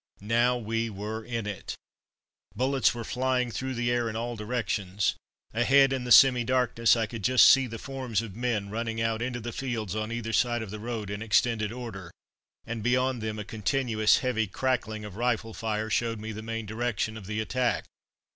Now we were in it! Bullets were flying through the air in all directions. Ahead, in the semi darkness, I could just see the forms of men running out into the fields on either side of the road in extended order, and beyond them a continuous heavy crackling of rifle fire showed me the main direction of the attack.